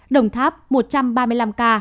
đồng tháp một trăm ba mươi năm ca